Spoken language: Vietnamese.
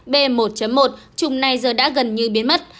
b một một chùng này giờ đã gần như biến mất